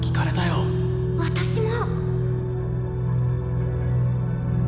私も！